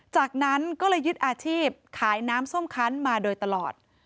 จากนั้นก็เลยยึดอาชีพขายน้ำส้มคันมาโดยตลอด